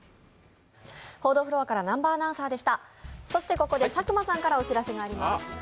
ここで佐久間さんからお知らせがあります。